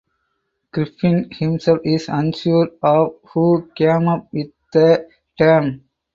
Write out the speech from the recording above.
Griffin himself is unsure of who came up with the term.